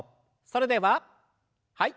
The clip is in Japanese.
それでははい。